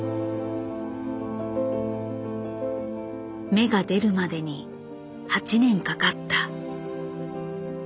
芽が出るまでに８年かかった。